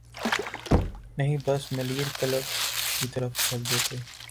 نہیں بس ملیر کلب کی طرف چل دیتے۔